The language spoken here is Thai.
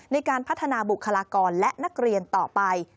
ในการพัฒนาบุคลากรและนักเรียนต่อไป